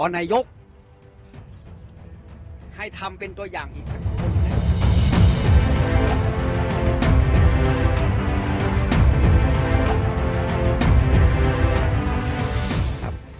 นายกให้ทำเป็นตัวอย่างอีกจากคน